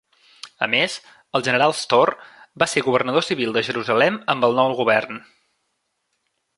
A més, el general Storr va ser governador civil de Jerusalem amb el nou govern.